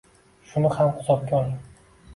Shuni ham hisobga oling.